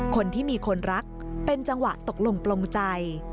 คนที่มีคนรักเป็นจังหวะตกลงปลงใจ